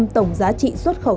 tổng giá trị xuất khẩu